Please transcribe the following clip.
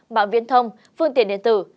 mạng viên thông phương tiện điện tử